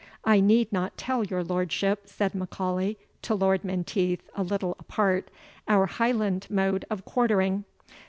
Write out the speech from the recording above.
"I need not tell your lordship," said M'Aulay to Lord Menteith, a little apart, "our Highland mode of quartering.